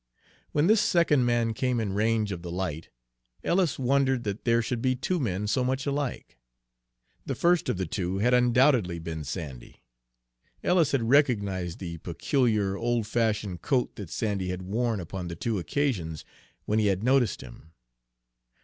When this second man came in range of the light, Ellis wondered that there should be two men so much alike. The first of the two had undoubtedly been Sandy. Ellis had recognized the peculiar, old fashioned coat that Sandy had worn upon the two occasions when he had noticed him.